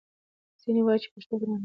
ځینې وايي چې پښتو ګرانه ده